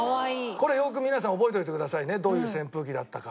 これよく皆さん覚えておいてくださいねどういう扇風機だったか。